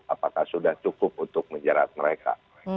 apakah sudah cukup untuk menjerat mereka